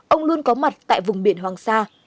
ông luôn có mặt tại vùng biển hoàng sa